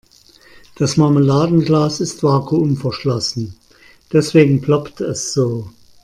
Das Marmeladenglas ist vakuumverschlossen, deswegen ploppt es so.